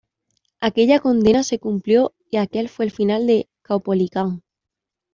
Aquella condena se cumplió, y aquel fue el final de Caupolicán.